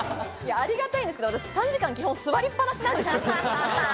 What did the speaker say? ありがたいんですけど、私３時間、基本、座りっ放しなんですよね。